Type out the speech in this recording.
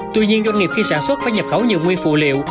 tuy nhiên doanh nghiệp khi sản xuất phải nhập khẩu nhiều nguyên phụ liệu